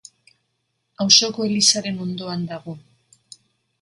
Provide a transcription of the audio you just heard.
Auzoko elizaren ondoan dago.